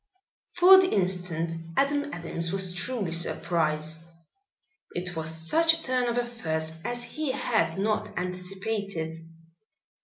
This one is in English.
For the instant Adam Adams was truly surprised. It was such a turn of affairs as he had not anticipated.